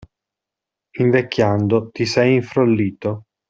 Invecchiando, ti sei infrollito.